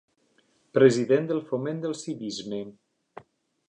President del Foment del Civisme.